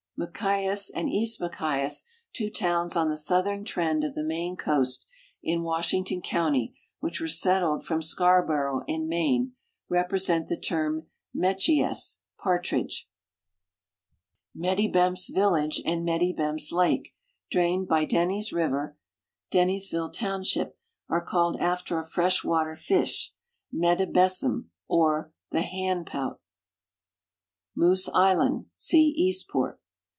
Machias and East Machias, two towns on the southern trend of the Maine coast, in Washington county, which were settled from Scar borough, in Maine, represent the term metchi(^ss, partridge. Meddybemps village and Meddybemps lake, drained by Dennys river, Dennysville township, are called after a fresh water fish, niMe bess'm, or the hanpoiU. Moose island. (See Eastport.)